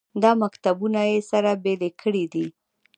دا مکتبونه یې سره بېلې کړې دي.